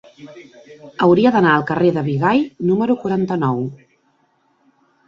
Hauria d'anar al carrer de Bigai número quaranta-nou.